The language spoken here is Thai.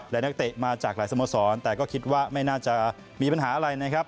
และนักเตะมาจากหลายสโมสรแต่ก็คิดว่าไม่น่าจะมีปัญหาอะไรนะครับ